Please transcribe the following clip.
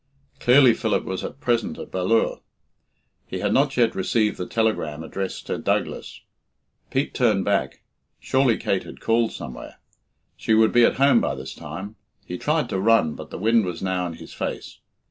Clearly Philip was at present at Ballure. He had not yet received the telegram addressed to Douglas. Pete turned back. Surely Kate had called somewhere. She would be at home by this time. He tried to run, but the wind was now in his face.